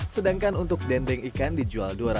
sedangkan untuk dendeng ikan dijual rp dua ratus per kilogram